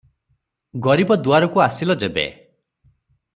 ଗରିବ ଦୁଆରକୁ ଆସିଲ ଯେବେ ।